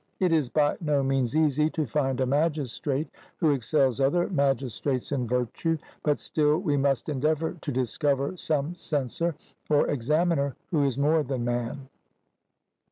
It is by no means easy to find a magistrate who excels other magistrates in virtue, but still we must endeavour to discover some censor or examiner who is more than man.